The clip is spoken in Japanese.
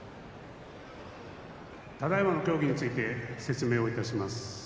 ただいまの協議について説明をいたします。